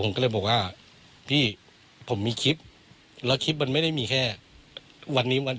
ผมก็เลยบอกว่าพี่ผมมีคลิปแล้วคลิปมันไม่ได้มีแค่วันนี้วัน